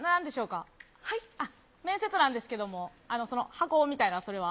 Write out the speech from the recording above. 面接なんですけども、その箱みたいな、それは？